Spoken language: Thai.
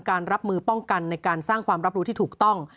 รับมือป้องกันในการสร้างความรับรู้ที่ถูกต้อง